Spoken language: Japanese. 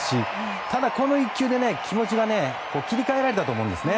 ただ、この１球で気持ちが切り換えられたと思います。